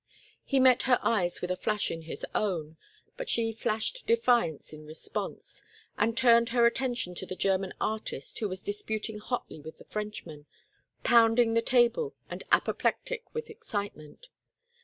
He met her eyes with a flash in his own, but she flashed defiance in response, and turned her attention to the German artist who was disputing hotly with the Frenchman, pounding the table and apoplectic with excitement.